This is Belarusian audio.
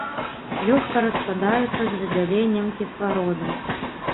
Лёгка распадаюцца з выдзяленнем кіслароду.